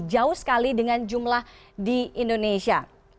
jauh sekali dengan jumlah di indonesia